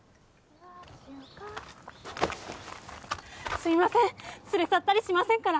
すいません連れ去ったりしませんから